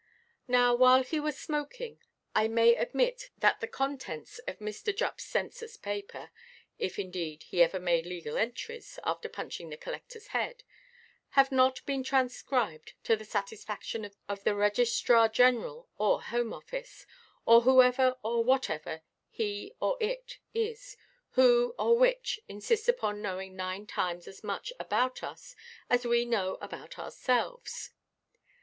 Now, while he is smoking, I may admit that the contents of Mr. Juppʼs census–paper (if, indeed, he ever made legal entries, after punching the collectorʼs head) have not been transcribed to the satisfaction of the Registrar–General or Home–Office, or whoever or whatever he or it is, who or which insists upon knowing nine times as much about us as we know about ourselves.